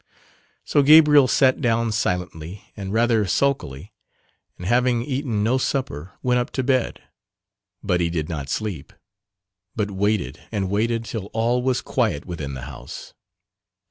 So Gabriel sat down silently and rather sulkily, and having eaten no supper went up to bed, but he did got sleep but waited and waited till all was quiet within the house.